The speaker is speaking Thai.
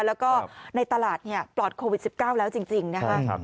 แล้วก็ในตลาดปลอดโควิด๑๙แล้วจริงนะคะ